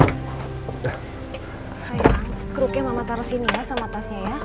sayang kruknya mama taruh sini ya sama tasnya ya